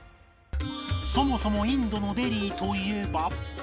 そもそもインドのデリーといえば